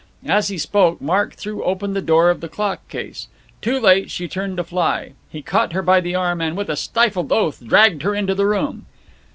As he spoke, Mark threw open the door of the clock case. Too late, she turned to fly; he caught her by the arm and, with a stifled oath, dragged her into the room.